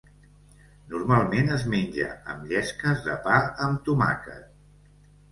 Normalment es menja amb llesques de pa amb tomàquet.